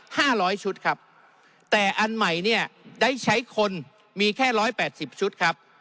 ห้าร้อยชุดครับแต่อันใหม่เนี่ยได้ใช้คนมีแค่ร้อยแปดสิบชุดครับ